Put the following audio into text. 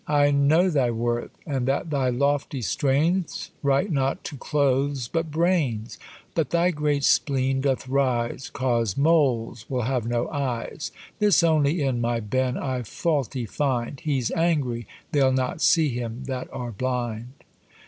I know thy worth, and that thy lofty strains Write not to cloaths, but brains: But thy great spleen doth rise, 'Cause moles will have no eyes; This only in my Ben I faulty find, He's angry they'll not see him that are blind.